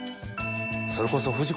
それこそ藤子